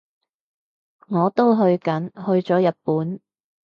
我都去緊，去咗日本